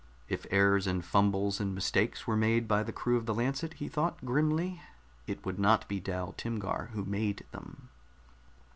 If errors and fumbles and mistakes were made by the crew of the Lancet, he thought grimly, it would not be Dal Timgar who made them.